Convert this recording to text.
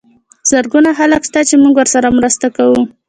زرګونه خلک شته چې موږ ورسره مرسته کوو.